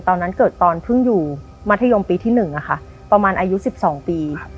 ตอนนั้นเกิดตอนเพิ่งอยู่มัธยมปีที่๑ประมาณอายุ๑๒ปี